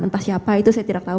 entah siapa itu saya tidak tahu